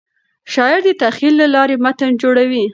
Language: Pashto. شاعر د تخیل له لارې متن جوړوي.